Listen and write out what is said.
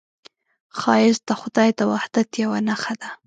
ښایست د خدای د وحدت یوه نښه ده